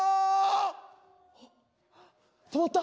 止まった？